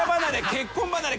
結婚離れ。